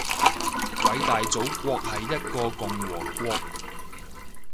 偉大祖國係一個共和國